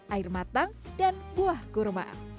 air matang dan buah kurma